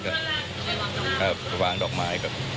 ก็วางดอกหมาย